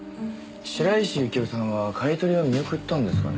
白石幸生さんは買い取りは見送ったんですかね？